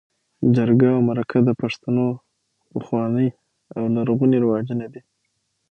جرګه او مرکه د پښتنو پخواني او لرغوني رواجونه دي.